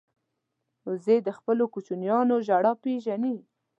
وزې د خپلو کوچنیانو ژړا پېژني